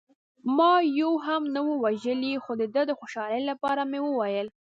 ما یو هم نه و وژلی، خو د ده د خوشحالۍ لپاره مې وویل.